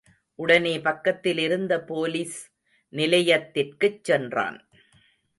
உடனே பக்கத்திலிருந்த போலிஸ் நிலையத்திற்குச் சென்றான்.